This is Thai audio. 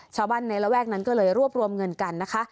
ชาวบ้านในระแวกนั้นก็เลยรวบรวมเงินกันนะคะ